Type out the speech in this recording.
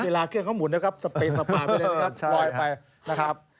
เวลาเครื่องเขาหมุนนะครับจะเป็นสภาพไปเลยนะครับ